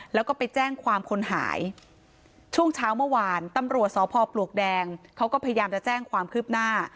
แล้วก็ไปแจ้งความคนหายช่วงเช้าเมื่อวานตำรวจสพปลวกแดงเขาก็พยายามจะแจ้งความคืบหน้า